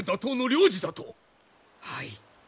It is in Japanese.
はい。